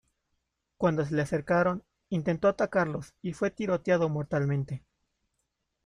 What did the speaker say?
Cuando se le acercaron, intentó atacarlos y fue tiroteado mortalmente.